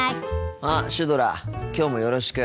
あっシュドラきょうもよろしく。